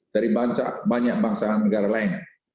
dari banyak bangsa negara lain